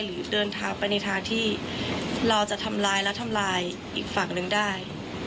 หรือเดินทางไปในทางที่เราจะทำร้ายและทำลายอีกฝั่งหนึ่งได้